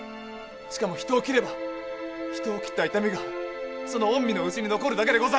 しかも人を斬れば人を斬った痛みがその御身の内に残るだけでございましょう！